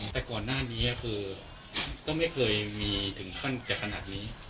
แต่ก่อนหน้านี้คือก็ไม่เคยมีถึงขั้นจะขนาดนี้